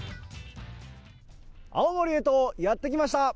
青森へとやって来ました。